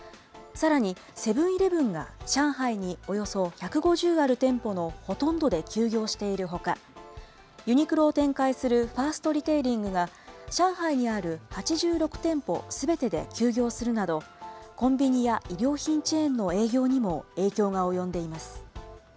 さらにセブンーイレブンが上海におよそ１５０ある店舗のほとんどで休業しているほか、ユニクロを展開するファーストリテイリングが、上海にある８６店舗すべてで休業するなど、コンビニや衣料品チェーンの営業にも影響が及んでいます。